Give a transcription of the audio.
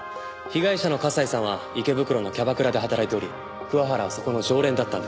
被害者の笠井さんは池袋のキャバクラで働いており桑原はそこの常連だったんです。